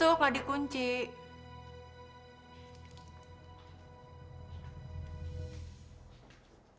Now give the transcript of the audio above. tight skin timed ada dianggung clues kacunya